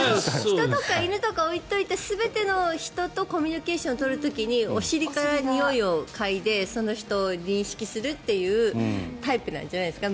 人とか犬とか置いておいて全ての人とコミュニケーションを取る時にお尻からにおいを嗅いでその人を認識するというタイプなんじゃないですか